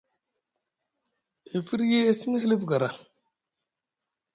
E firyi e simi hilif gara.